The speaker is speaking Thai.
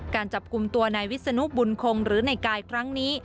การจับกลุ่มตัวนายวิศนุบุญคงหรือในกายครั้งนี้